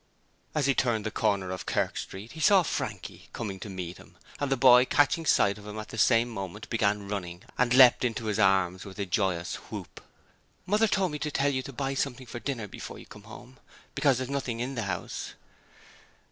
As he turned the corner of Kerk Street he saw Frankie coming to meet him, and the boy catching sight of him at the same moment began running and leapt into his arms with a joyous whoop. 'Mother told me to tell you to buy something for dinner before you come home, because there's nothing in the house.'